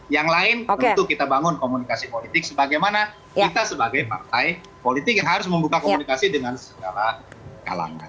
yang lain tentu kita bangun komunikasi politik sebagaimana kita sebagai partai politik yang harus membuka komunikasi dengan segala kalangan